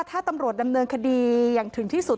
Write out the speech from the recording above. ถ้าตำรวจดำเนินคดีอย่างถึงที่สุด